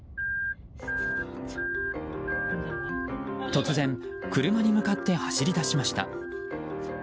突然、車に向かって走り出しました。